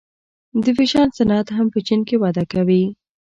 د فیشن صنعت هم په چین کې وده کوي.